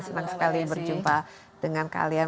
senang sekali berjumpa dengan kalian